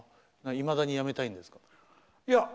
いまだにやめたいんですか？